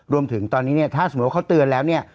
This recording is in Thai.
รวมถึงตอนนี้เนี่ยถ้าสมมุติว่าเขาเตือนแล้วเนี่ย